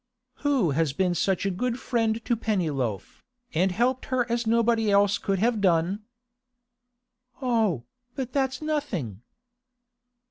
'Who has been such a good friend to Pennyloaf, and helped her as nobody else could have done?' 'Oh, but that's nothing!